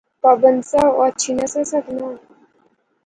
پابند سا، او اچھی نہسا سکنا